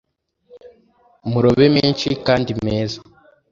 murobe menshi kandi meza